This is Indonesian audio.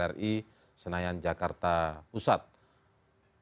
yang dikenal dengan kata fadli di gedung dpr ri fadli zon